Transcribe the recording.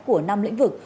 của năm lĩnh vực